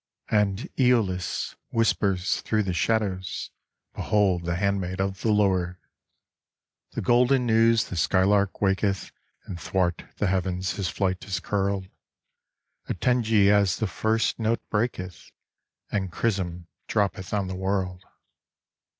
And ^olus whispers through the shadows, " Behold the handmaid of the Lord !" The golden news the skylark waketh And 'thwart the heavens his flight is curled; Attend ye as the first note breaketh And chrism droppeth on the world.